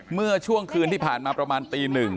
เมื่อช่วงคืนที่ผ่านมาประมาณตี๑